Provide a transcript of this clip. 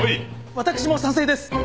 私も賛成です。